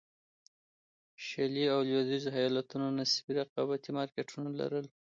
شلي او لوېدیځو ایالتونو نسبي رقابتي مارکېټونه لرل.